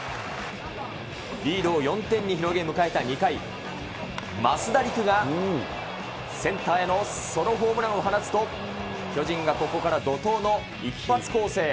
リードを４点に広げた迎えた２回、増田陸がセンターへのソロホームランを放つと、巨人がここから怒とうの一発攻勢。